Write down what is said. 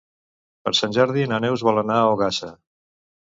Per Sant Jordi na Neus vol anar a Ogassa.